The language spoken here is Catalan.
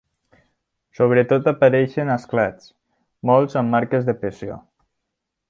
Sobretot apareixen esclats, molts amb marques de pressió.